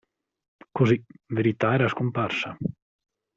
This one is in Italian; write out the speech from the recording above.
Così, Verità era scomparsa.